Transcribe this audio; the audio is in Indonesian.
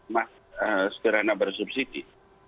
mas sederhana bersubsidi